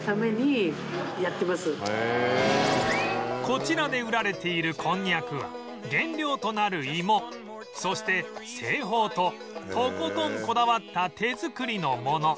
こちらで売られているこんにゃくは原料となる芋そして製法ととことんこだわった手作りのもの